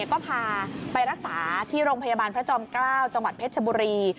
ก็พาไปรักษาที่โรงพยาบาลพระจอมเกล้าจังหวัดเพชรชบุรี